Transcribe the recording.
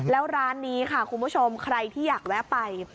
แล้วร้านนี้ค่ะคุณผู้ชมใครที่อยากแวะไป